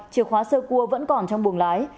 chiều khóa sơ cua vẫn còn trong buồng lái